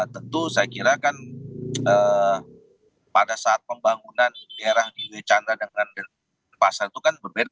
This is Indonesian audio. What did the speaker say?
tentu saya kira kan pada saat pembangunan daerah di we chandra dengan pasar itu kan berbeda